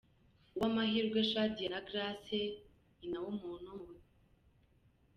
Uwamahirwe Chadia na Grace Nyinawumuntu mu butiganyi .